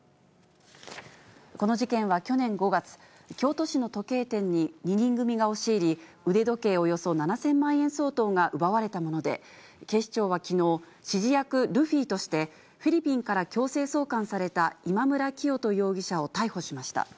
この事件は去年５月、京都市の時計店に２人組が押し入り、腕時計およそ７０００万円相当が奪われたもので、警視庁はきのう、指示役、ルフィとしてフィリピンから強制送還された今村磨人容疑者を逮捕しました。